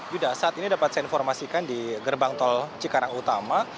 yuda saat ini dapat saya informasikan di gerbang tol cikarang utama